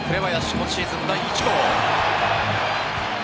今シーズン第１号。